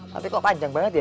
tapi kok panjang banget ya